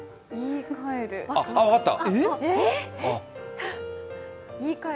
あ、分かった。